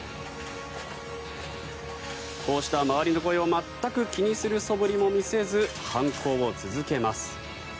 こうした周りの声を全く気にするそぶりも見せず犯行を続けます。